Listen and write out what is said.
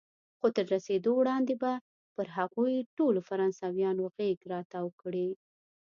خو تر رسېدو وړاندې به پر هغوی ټولو فرانسویان غېږ را تاو کړي.